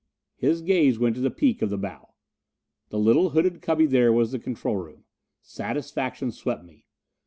His gaze went to the peak of the bow. The little hooded cubby there was the control room. Satisfaction swept me.